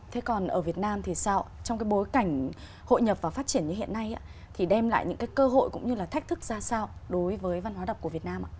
thế còn ở việt nam thì sao trong cái bối cảnh hội nhập và phát triển như hiện nay thì đem lại những cái cơ hội cũng như là thách thức ra sao đối với văn hóa đọc của việt nam ạ